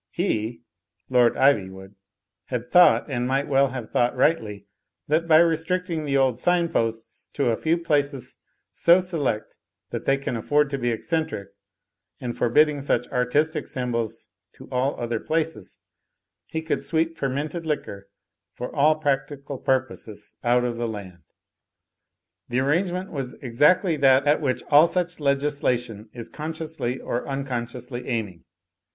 He (Lord Ivy wood) had thought, and might well have thought rightly, that by restricting the old sign posts to a few places so select that they can afford to be eccentric, and forbid ding such artistic s)mibols to all other places, he could sweep fermented liquor for all practical purposes out of the land. The arrangement was exactly that at which all such legislation is consciously or uncon sciously aiming.